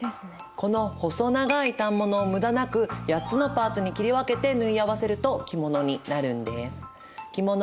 この細長い反物を無駄なく８つのパーツに切り分けて縫い合わせると着物になるんです。